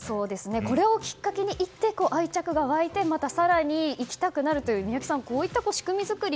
これをきっかけに行って愛着が湧いてまた更に行きたくなるという仕組み作り